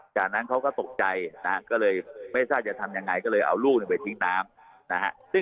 จากนั้นเขาก็ตกใจนะฮะก็เลยไม่ทราบจะทำยังไงก็เลยเอาลูกไปทิ้งน้ำนะฮะ